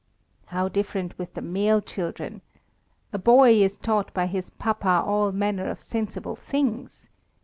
How different with the male children. A boy is taught by his papa all manner of sensible things.